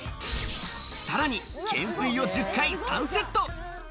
さらに、懸垂を１０回３セット。